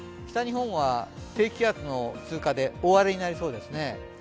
北日本は低気圧の通過で大荒れになりそうですね。